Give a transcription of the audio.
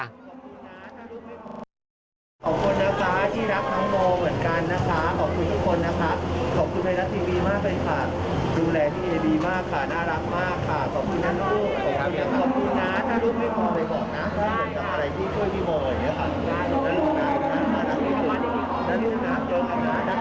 ขอบคุณนะถ้าลูกไม่พอ